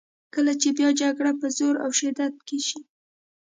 کله چې بیا جګړه په زور او شدت کې شي.